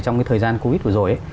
trong cái thời gian covid vừa rồi